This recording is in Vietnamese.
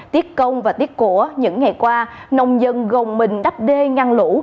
tiết công và tiết của những ngày qua nông dân gồng mình đắp đê ngăn lũ